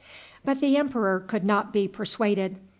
But the emperor could not be persuaded.